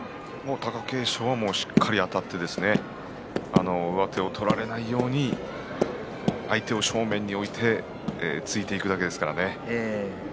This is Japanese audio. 貴景勝はしっかりあたって上手を取られないように相手を正面に置いて突いていくだけですからね。